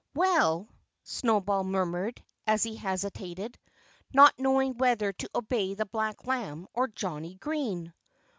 "Well " Snowball murmured, as he hesitated, not knowing whether to obey the black lamb or Johnnie Green.